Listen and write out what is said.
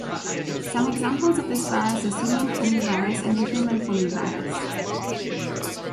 Some examples of this virus are simian foamy virus and the human foamy virus.